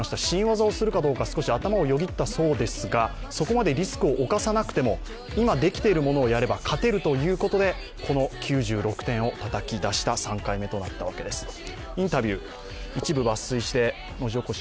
新技をするかどうか、少し頭をよぎったそうですが、そこまでリスクを冒さなくても今できているものをやれば勝てるということでこの９６点をたたき出した３回目となったわけです。